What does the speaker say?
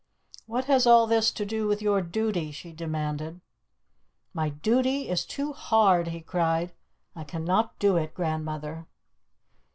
"What has all this to do with your duty?" she demanded. "My duty is too hard," he cried. "I cannot do it, grandmother!"